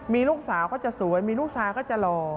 มีลูกสาวก็จะสวยมีลูกชายก็จะหล่อ